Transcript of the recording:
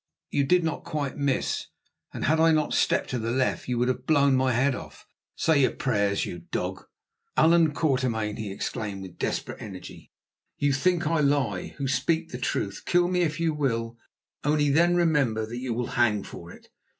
"You did not quite miss, and had I not stepped to the left, you would have blown my head off. Say your prayers, you dog!" "Allan Quatermain," he exclaimed with desperate energy, "you think I lie, who speak the truth. Kill me if you will, only then remember that you will hang for it.